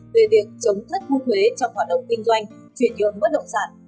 về việc chống thất thu thuế trong hoạt động kinh doanh chuyển nhượng bất động sản